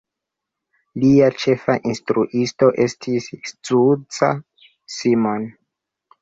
Lia ĉefa instruisto estis Zsuzsa Simon.